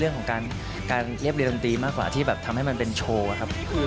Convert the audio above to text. เรื่องของการเรียบเรียนดนตรีมากกว่าที่แบบทำให้มันเป็นโชว์อะครับ